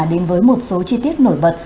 đến với một số chi tiết nổi bật